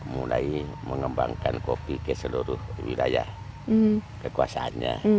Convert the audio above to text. mulai mengembangkan kopi ke seluruh wilayah kekuasaannya